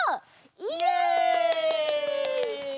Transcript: イエイ！